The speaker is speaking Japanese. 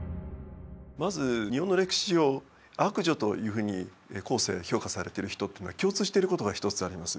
まず日本の歴史上悪女というふうに後世評価されてる人っていうのは共通してることが一つあります。